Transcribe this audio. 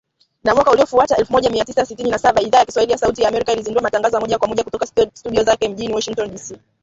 Na mwaka uliofuata, elfu moja mia tisa sitini na saba, Idhaa ya Kiswahili ya Sauti ya Amerika ilizindua matangazo ya moja kwa moja kutoka studio zake mjini Washington dc.